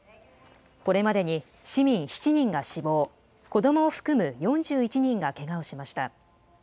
これまでに市民７人が死亡、子どもを含む４１人がけがをしました。